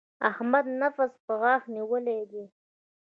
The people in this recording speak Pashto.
احمد نفس په غاښ نيولی دی.